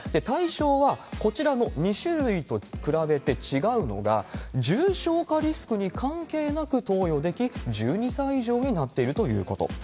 対象は、こちらの２種類と比べて違うのが、重症化リスクに関係なく投与でき、１２歳以上になっているということ。